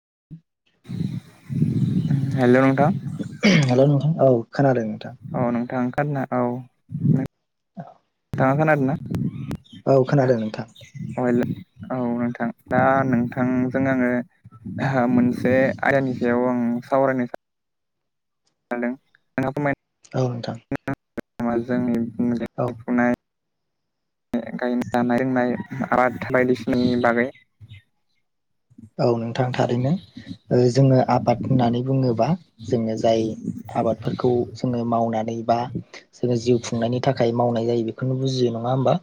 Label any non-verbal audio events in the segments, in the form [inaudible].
[inaudible] [unintelligible] हेल' hello नोंथां औ खोनादों नोंथां औ नोंथाङा ओंखारना औ [inaudible] [unintelligible] खोनादों ना औ खोनादों नोंथां हेल' औ नोंथां दा नोंथांजों आङो मोनसे आयदानि सायाव आं सावरायनो सानो सान्दों नोंहा फोरमायनो औ नोंथां मा जोंनि औ गायनाय [inaudible] [unintelligible] गायनाय जानाय लोंनाय आबाद बायदिसिनानि बागै औ नोंथां थारैनो जोङो आबाद होननानै बुङोबा जोङो जाय आबादफोरखौ जोङो मावनानै जोङो जिउ खुंनायनि थाखाय मावनाय जायो बेखौनो बुजियो नङा होमबा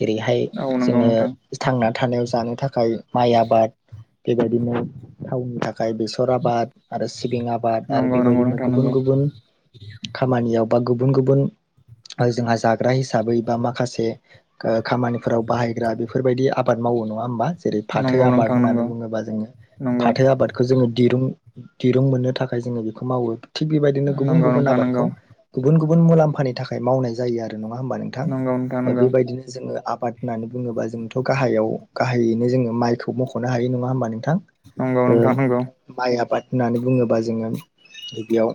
जेरैहाय औ नंगौ जोङो नोंथां थांना थानायाव जानो थाखाय माइ आबाद बेबायदिनो थावनि थाखाय थाखाय बेसर आबाद आरो सिबिं आबाद आरो नंगौ नंगौ बेबायदिनो नोंथां गुबुन नंगौ गुबुन खामानियाव बा गुबुन गुबुन जोंहा जाग्रा हिसाबै बा माखासे ओ खामानिफोराव बाहायग्रा बेफोरबायदि आबाद मावो नङा होमबा जेरै फाथो नंगौ आबाद नोंथां होननानै नंगौ बुङोबा जोङो नंगौ फाथो आबादखौ जोङो दिरुं दिरुं मोननो थाखाय जोङो बेखौ मावो थिग बेबायदिनो गुबुन नंगौ गुबुन नोंथां नंगौ आबादखौ गुबुन गुबुन मुलाम्फानि थाखाय मावनाय जायो आरो आरो नङा होमबा नोंथां नंगौ बेबायदिनो जोङो आबाद होननानै बुङोबा जोंथ' गाहायाव गाहायैनो जोङो माइखौ मख'नो हायो नङा होमबा नोंथां ओ नोंथां नंगौ माइ आबाद होननानै बुङोब्ला जोङो गिबियाव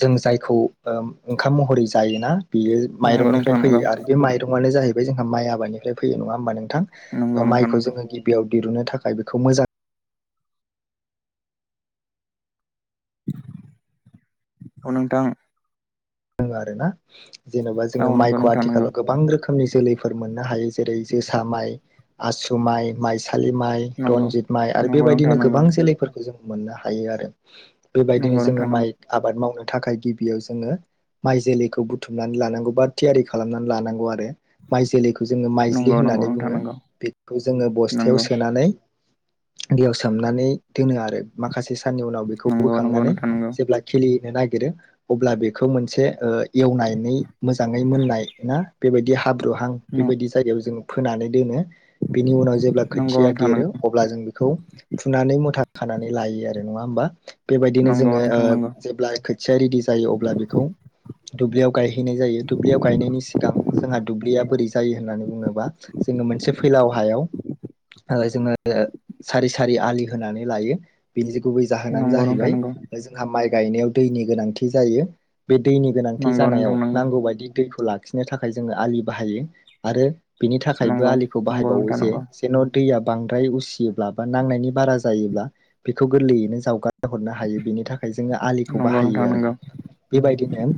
जों जायखौ ओ ओंखाम महरै जायोना बियो नंगौ माइरंनिफ्राय नोंथां नंगौ फैयो आरो बे माइरंआनो जाहैबाय जोंहा माइ आबादनिफ्राय फैयो नङा होमबा नों नंगौ नोंथां नोंथां नंगौ नोंथां माइखौ नंगौ जोंङो गिबियाव दिरुनो थाखाय बेखौ मोजां औ नोंथां दों आरो ना जेनबा औ जोंङो नंगौ माइखौ नोंथां नंगौ आथिखालाव गोबां रोखोमनि जोलैफोर मोननो हायो जेरै जोसा माइ आसु माइ माइसालि माइ नंगौ रनजित माइ आरो नंगौ नोंथां बेबायदिनो नंगौ गोबां जोलैफोरखौ मोननो हायो आरो बेबायदिनो नंगौ नोंथां जोंङो नंगौ माइ आबाद मावनो थाखाय गिबियाव जोंङो। माइ जोलैखौ बुथुमनानै लानांगौ बा थियारि खालामनानै लानांगौ आरो माइ जोलैखौ जोंङो माइजलि नंगौ नंगौ होननानै नोंथां बुङो नंगौ बेखौ जोंङो बस्थायाव नंगौ सोनानै दैयाव सोमनानै दोनो आरो माखासे साननि उनाव बेखौ नंगौ नंगौ बोखांनानै नोंथां जेब्ला खिलि नागिरो अब्ला बेखौ मोनसे ओ एवनानै मोजाङै मोननाय ना बेबायदि हाब्रुहां बेबायदि जायगायाव जों फोनानै दोनो बिनि उनाव जेब्ला खोथिया देरो नंगौ अब्ला जों बेखौ फुनानै मुथा खानानै लायो आरो नङा होमबा बेबायदिनो नंगौ जोंङो नोंथां नंगौ ओ जेब्ला खोथिया रेडि जायो अब्ला बेखौ दुब्लियाव गायहैनाय जायो दुब्लियाव गायनायनि सिगां जोंहा दुब्लिया बोरै जायो होननानै बुङोबा जोंङो मोनसे फैलाव हायाव ओ जोंङो सारि सारि आलि होनानै लायो बेनि गुबै जाहोनानो नोंथां जाहैबाय नंगौ जोंहा माइ गायनायाव दैनि गोनांथि जायो। बे दैनि गोनांथि जानायाव नांगौ बायदि दैखौ लाखिनो थाखाय जोंङो आलि बाहायो आरो बिनि थाखायबो नंगौ आलिखौ बाहायबावो नोंथां जे नंगौ जेन' दैया बांद्राय उसियोब्ला बा नांनायनि बारा जायोब्ला बेखौ गोरलैयैनो जावगार हरनो हायो बिनि थाखाय जोंङो आलिखौ नंगौ नोंथां नंगौ नोंथां नंगौ नोंथां बाहायो आरो नंगौ बायदि नेम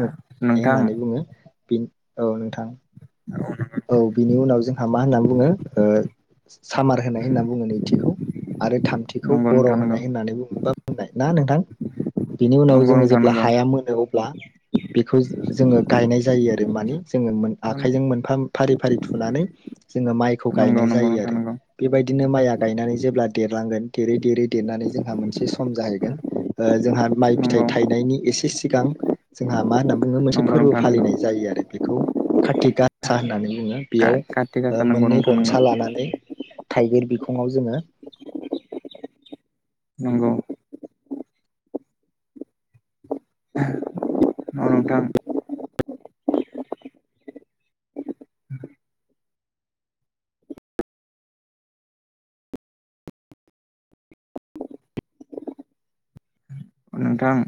ए नंगौ होननानै बुङो बे औ नोंथां औ बिनि उनाव जोंहा मा होननानै बुङो ओ सामार होनाय होनना बुङो नैथिखौ आरो थामथिखौ बर होनाय होननानै बुङो बुंनाय ना नोंथां बिनि उनाव जोंङो नोंथां जेब्ला नंगौ हाया मोनो अब्ला बेखौ जोंङो गायनाय जायो आरो आरो मानि जोंङो मोन नोंथां आखाइजों मोनफा दै फारि थुनानै जोंङो मायखौ नंगौ नोंथां नंगौ गायनाय जायो नोंथां आरो नंगौ बेबायदिनो माया गायनानै जेब्ला देरलां लांगोन देरै देरै देरनानै जोंहा मोनसे सम जाहैगोन ओ जोंहा माइ फिथाइ नंगौ थायनायनि एसे सिगां जोंहा मा होनना बुङो मोनसे नंगौ फोरबो नोंथां नंगौ फालिनाय जायो आरो बेखौ कारतिक का होननानै बुङो बेयाव काति गासा नंगौ मोननै नोंथां नंगौ गनसा लानानै थाइगिर बिखङाव जोंङो नंगौ औ नोंथां नोंथां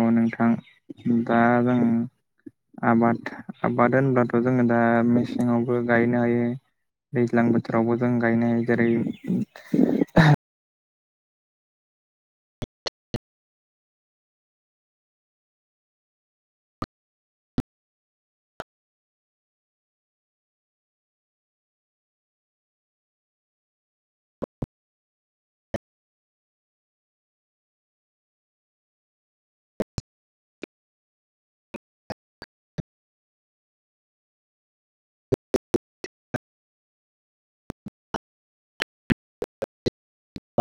औ नोंथां दा जों आबाद आबाद होनब्लाथ जोंङो दा मेसेङावबो गायनो हायो। दैज्लां बोथोरावबो जों गायनाय जेरै [inaudible]